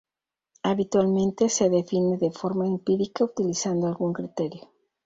Habitualmente se define de forma empírica utilizando algún criterio.